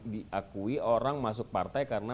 diakui orang masuk partai karena